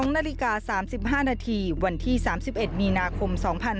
๒นาฬิกา๓๕นาทีวันที่๓๑มีนาคม๒๕๕๙